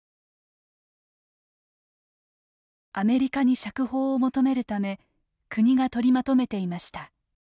アメリカに釈放を求めるため国が取りまとめていました。